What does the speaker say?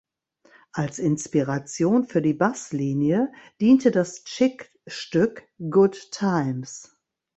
Als Inspiration für die Basslinie diente das Chic-Stück "Good Times".